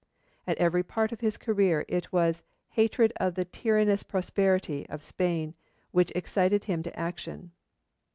At every part of his career it was 'hatred of the tyrannous prosperity' of Spain which excited him to action.